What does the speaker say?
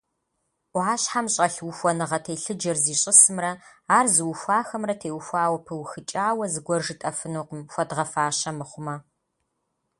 Ӏуащхьэм щӀэлъ ухуэныгъэ телъыджэр зищӀысымрэ ар зыухуахэмрэ теухуауэ пыухыкӀауэ зыгуэр жытӀэфынукъым, хуэдгъэфащэ мыхъумэ.